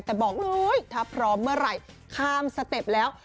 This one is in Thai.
แต่บอกเลยถ้าพร้อมเมื่อไหร่ข้ามสเต็ปแล้ว